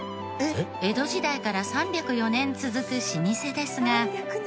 江戸時代から３０４年続く老舗ですが。